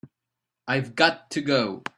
I've got to go.